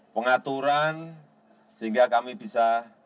pengaturan sehingga kami bisa